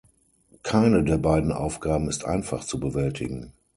Keine der beiden Aufgaben ist einfach zu bewältigen.